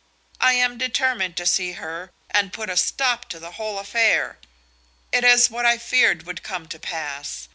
I am determined to see her and put a stop to the whole affair. It is what I feared would come to pass.